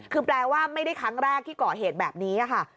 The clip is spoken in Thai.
คือแปลว่าไม่ได้ครั้งแรกที่ก่อเหตุแบบนี้ค่ะ